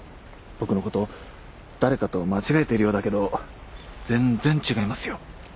僕のこと誰かと間違えているようだけど全然違いますよ。